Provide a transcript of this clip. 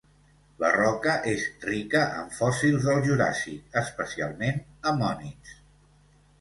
La roca és rica en fòssils del Juràssic, especialment ammonits.